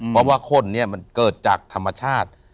เพราะว่าข้นเนี่ยมันเกิดจากธรรมชาติ